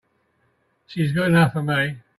She's good enough for me!